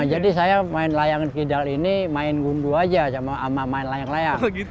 jadi saya main layangan kidal ini main gundu aja sama main layang layang